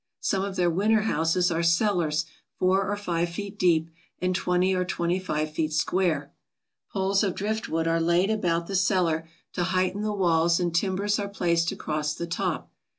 Some of their winter houses are cellars four or five feet deep and twenty or twenty five feet square. Poles of driftwood are laid about the cellar to heighten the walls and timbers are placed across the top.